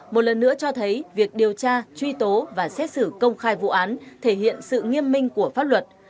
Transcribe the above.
một lần nữa cho thấy việc điều tra truy tố và xét xử công khai vụ án thể hiện sự nghiêm minh của pháp luật